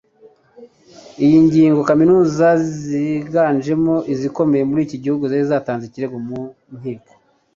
iyi ngingo kaminuza ziganjemo izikomeye muri iki gihugu zari zatanze ikirego mu nkiko